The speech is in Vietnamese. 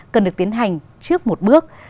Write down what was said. cần được tiến hành trước một bước